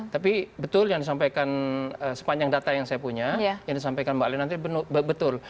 tapi betul yang disampaikan sepanjang data yang saya punya yang disampaikan mbak ali nanti betul